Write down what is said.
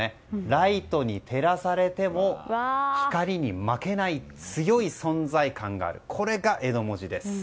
ライトに照らされても光に負けない強い存在感があるこれが江戸文字です。